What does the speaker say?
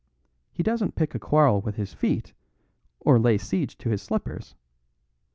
He doesn't pick a quarrel with his feet, or lay siege to his slippers.